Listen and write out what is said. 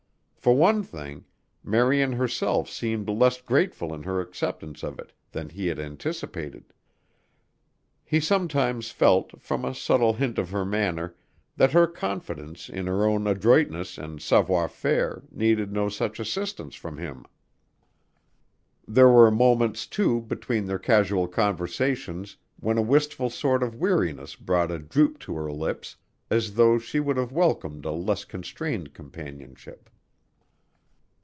For one thing, Marian herself seemed less grateful in her acceptance of it than he had anticipated. He sometimes felt, from a subtle hint of her manner, that her confidence in her own adroitness and savoir faire needed no such assistance from him. There were moments, too, between their casual conversations when a wistful sort of weariness brought a droop to her lips, as though she would have welcomed a less constrained companionship.